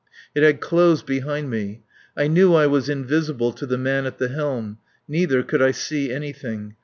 It had closed behind me. I knew I was invisible to the man at the helm. Neither could I see anything.